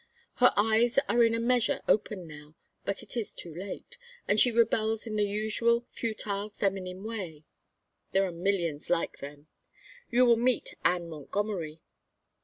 Her eyes are in a measure open now, but it is too late, and she rebels in the usual futile feminine way. There are millions like them. You will meet Anne Montgomery.